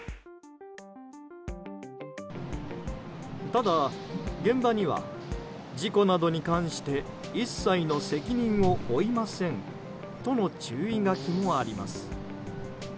ただ、現場には事故などに関して一切の責任を負いませんとの注意書きもあります。